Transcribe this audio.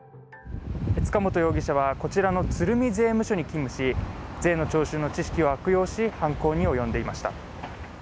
塚本容疑者はこちらの鶴見税務署に勤務し、税の徴収の知識を悪用し犯行に及んでいました。